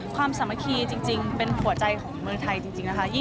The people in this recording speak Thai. สามัคคีจริงเป็นหัวใจของเมืองไทยจริงนะคะ